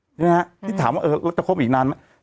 ใช่ไหมคะถ้าถามว่าเออแล้วจะคบอีกนานไหม